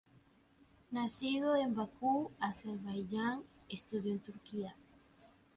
Nacido en Bakú, Azerbaiyán, estudió en Turquía.